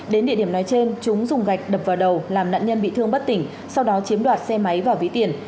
đến địa điểm nói trên chúng dùng gạch đập vào đầu làm nạn nhân bị thương bất tỉnh sau đó chiếm đoạt xe máy và ví tiền